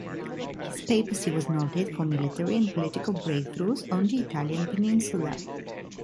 His papacy was noted for military and political breakthroughs on the Italian peninsula.